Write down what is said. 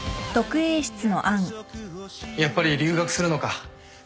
・やっぱり留学するのか